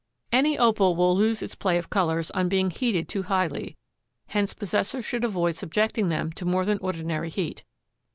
Any Opal will lose its play of colors on being heated too highly, hence possessors should avoid subjecting them to more than ordinary heat.